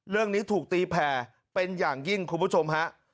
เรื่องนี้ถูกตีแผ่เป็นอย่างยิ่งคุณผู้ชมฮะ